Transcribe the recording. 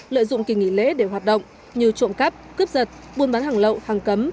lợi dụng kỳ nghỉ lễ để hoạt động như trộm cắp cướp giật buôn bán hàng lậu hàng cấm